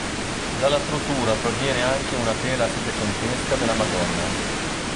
Dalla struttura proviene anche una tela settecentesca della Madonna.